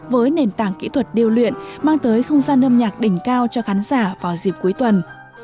với nền tảng kỹ thuật điêu luyện mang tới không gian âm nhạc đỉnh cao cho khán giả vào dịp cuối tuần